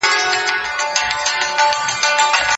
د دلارام خلک تل د خپلي سیمي د پرمختګ غوښتونکي دي.